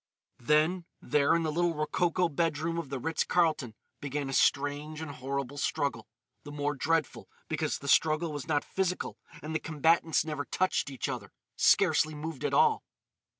Then, there in the little rococo bedroom of the Ritz Carlton, began a strange and horrible struggle—the more dreadful because the struggle was not physical and the combatants never touched each other—scarcely moved at all.